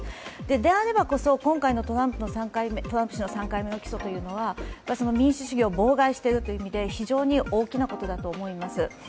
であればこそ、今回のトランプ氏の３回目の起訴というのは民主主義を妨害しているという意味で非常に大きなことだと思います。